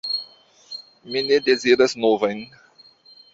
Mi ne deziras novajn.